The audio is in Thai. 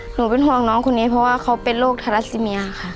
หนูเป็นห่วงน้องคนนี้เพราะว่าเขาเป็นโรคทาราซิเมียค่ะ